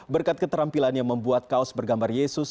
berkat keterampilannya membuat kaos bergambar yesus